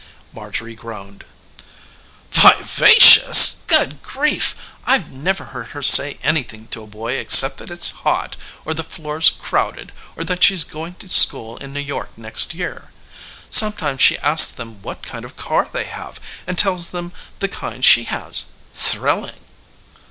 Marjorie groaned. "Vivacious! Good grief! I've never heard her say anything to a boy except that it's hot or the floor's crowded or that she's going to school in New York next year. Sometimes she asks them what kind of car they have and tells them the kind she has. Thrilling!"